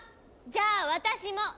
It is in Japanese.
じゃあ私も。